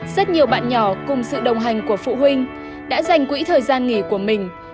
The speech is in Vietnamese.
rất nhiều bạn nhỏ cùng sự đồng hành của phụ huynh đã dành quỹ thời gian nghỉ của mình